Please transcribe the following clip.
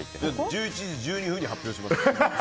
１１時１２分に発表します。